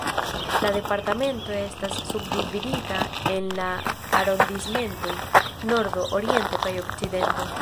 La Departemento estas subdividita en la arondismentoj "nordo", "oriento" kaj "okcidento".